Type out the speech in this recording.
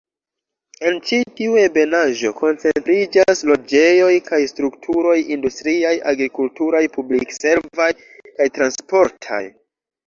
En ĉi tiu ebenaĵo koncentriĝas loĝejoj kaj strukturoj industriaj, agrikulturaj, publik-servaj kaj transportaj.